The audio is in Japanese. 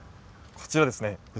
こちらですね。